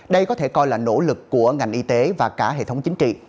đây có thể coi là nỗ lực của ngành y tế và cả hệ thống chính trị